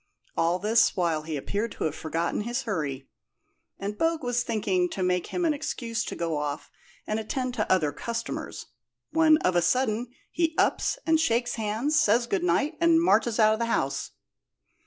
All this while he appeared to have forgotten his hurry, and Bogue was thinking to make him an excuse to go off and attend to other customers, when of a sudden he ups and shakes hands, says good night, and marches out of the house.